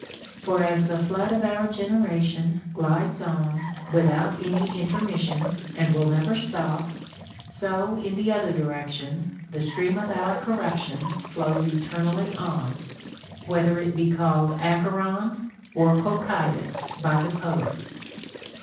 For as the flood of our generation glides on without any intermission and will never stop, so in the other direction the stream of our corruption flows eternally on, whether it be called Acheron or Cocytus by the poets.